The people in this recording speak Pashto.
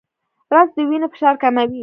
رس د وینې فشار کموي